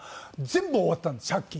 全部終わったんです借金。